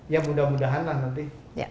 ya mudah mudahan lah nanti